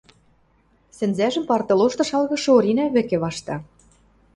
сӹнзӓжӹм парта лошты шалгышы Оринӓ вӹкӹ вашта.